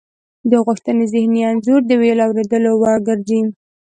د غوښتنې ذهني انځور د ویلو او اوریدلو وړ ګرځي